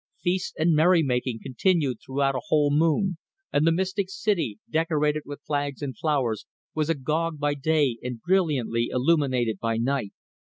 Feasts and merry making continued throughout a whole moon, and the mystic city, decorated with flags and flowers, was agog by day and brilliantly illuminated by night.